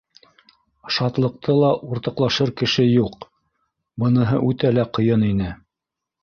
Шатлыҡты ла уртаҡлашыр кеше юҡ, быныһы үтә лә ҡыйын ине.